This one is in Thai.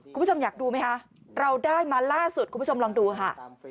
คุณผู้ชมอยากดูไหมคะเราได้มาล่าสุดคุณผู้ชมลองดูค่ะ